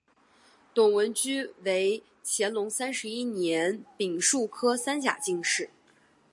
董文驹为乾隆三十一年丙戌科三甲进士。